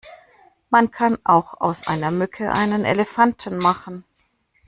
Man kann auch aus einer Mücke einen Elefanten machen!